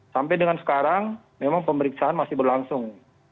sampai dengan sekarang memang pemeriksaan masih berlangsung